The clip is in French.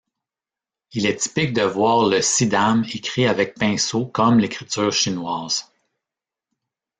Il est typique de voir le Siddham écrit avec pinceaux comme l'écriture chinoise.